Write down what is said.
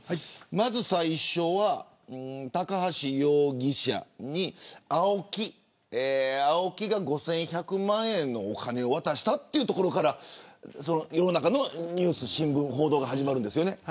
まず、最初は高橋容疑者にＡＯＫＩが５１００万円のお金を渡したというところから世の中のニュース新聞、報道が始まるんですよね。